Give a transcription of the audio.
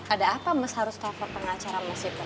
ada apa mas harus telfon pengacara